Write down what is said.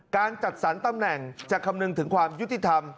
การจัดสรรตำแหน่งจะคำนึงถึงความยุติธรรม